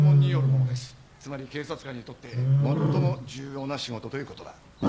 つまり警察官にとって最も重要な仕事ということだ。